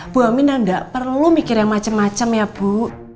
bu aminah gak perlu mikir yang macem macem ya bu